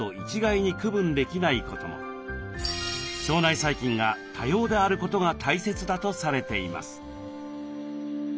腸内細菌が多様であることが大切だとされています。